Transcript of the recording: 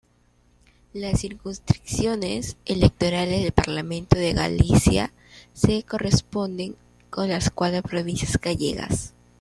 Las circunscripciones electorales del Parlamento de Galicia se corresponden con las cuatro provincias gallegas.